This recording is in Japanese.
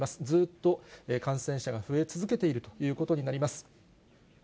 ずーっと感染者が増え続けているということになります。